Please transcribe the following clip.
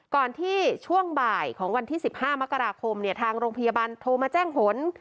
ก่อนที่ช่วงบ่ายของวันที่๑๕มกราคมทางโรงพยาบาลโทรมาแจ้งหน